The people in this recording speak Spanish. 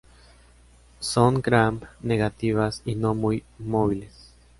Son Gram-negativas y no muy móviles.